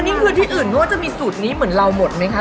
นี่คือที่อื่นเขาก็จะมีสูตรนี้เหมือนเราหมดไหมคะ